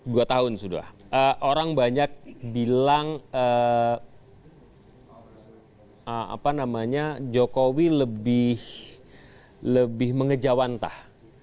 dua tahun sudah orang banyak bilang jokowi lebih mengejawantah